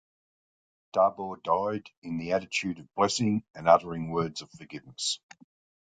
Darboy died in the attitude of blessing and uttering words of forgiveness.